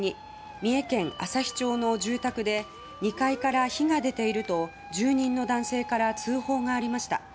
三重県朝日町の住宅で２階から火が出ていると住人の男性から通報がありました。